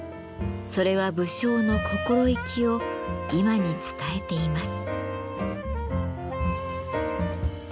それは武将の心意気を今に伝えています。